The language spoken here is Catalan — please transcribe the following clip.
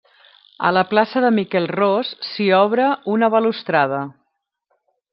A la plaça de Miquel Ros s'hi obra una balustrada.